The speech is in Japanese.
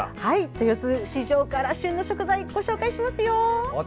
豊洲市場から旬の食材ご紹介しますよ。